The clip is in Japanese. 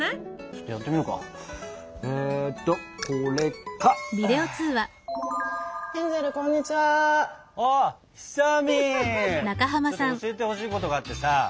ちょっと教えてほしいことがあってさ。